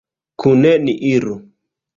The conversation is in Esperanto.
Kune ni iru!